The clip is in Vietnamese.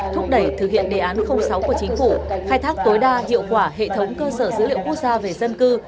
thúc đẩy thực hiện đề án sáu của chính phủ khai thác tối đa hiệu quả hệ thống cơ sở dữ liệu quốc gia về dân cư